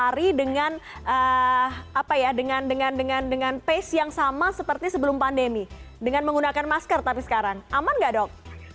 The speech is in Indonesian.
atau lari dengan apa ya dengan dengan dengan dengan face yang sama seperti sebelum pandemi dengan menggunakan masker tapi sekarang aman nggak dok